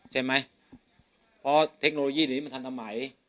ใช่ไหมเพราะเทคโนโลยีเดี๋ยวนี้มันทำทำไม